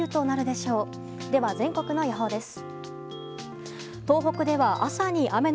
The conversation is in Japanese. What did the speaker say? では全国の予報です。